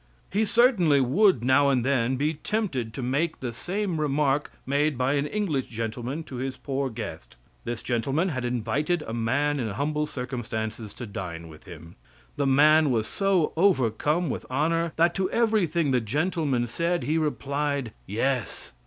He certainly would now and then be tempted to make the same remark made by an English gentleman to his poor guest. This gentleman had invited a man in humble circumstances to dine with him. The man was so overcome with honor that to everything the gentleman said he replied, "Yes."